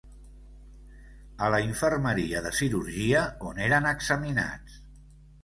A la infermeria de cirurgia on eren examinats